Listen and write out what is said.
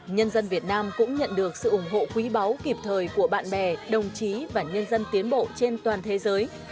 nhân dân việt nam cũng nhận được sự ủng hộ quý báu kịp thời của bạn bè đồng chí và nhân dân tiến bộ trên toàn thế giới